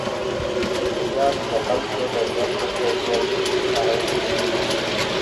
اقتصاد د خلکو د ژوند پر کیفیت اغېز کوي.